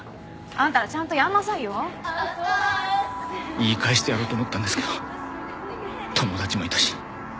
言い返してやろうと思ったんですけど友達もいたし。